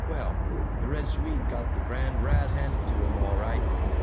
Well, the Red Swede got the grand razz handed to him, all right.